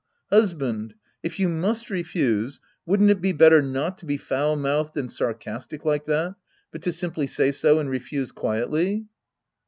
Hus band, if you must refuse, wouldn't it be better not to be foul mouthed and sarcastic like that, but to simply say so and refuse quietly